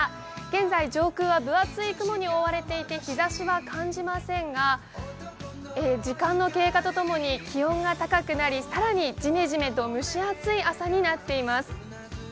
現在、上空は分厚い雲に覆われていて日ざしは感じませんが、時間の経過とともに気温が高くなり、更にじめじめと蒸し暑い朝になっています。